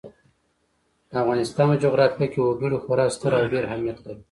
د افغانستان په جغرافیه کې وګړي خورا ستر او ډېر اهمیت لري.